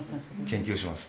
研究します